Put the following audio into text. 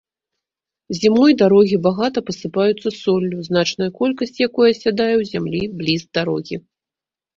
Зімой дарогі багата пасыпаюцца соллю, значная колькасць якой асядае ў зямлі бліз дарогі.